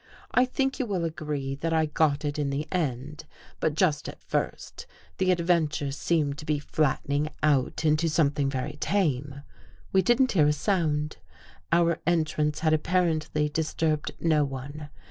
I think you will agree that I got It In the end, but just at first, the adventure seemed to be flat tening out Into something very tame. We didn't hear a sound. Our entrance had apparently dis turbed no one.